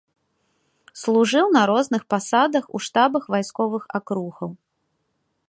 Служыў на розных пасадах у штабах вайсковых акругаў.